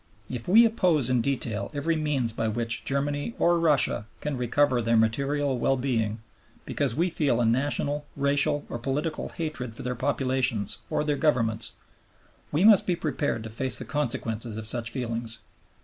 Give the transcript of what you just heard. If we oppose in detail every means by which Germany or Russia can recover their material well being, because we feel a national, racial, or political hatred for their populations or their Governments, we must be prepared to face the consequences of such feelings.